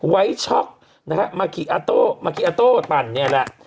ไวท์ช็อกมากกี้อาโต้ปั่นนี่แหละ